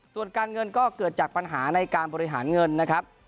ส่วนการเงินก็เกิดจากปัญหาในการบริหารเงินนะครับ